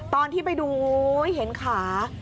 ตอนที่ไปดูเห็นขา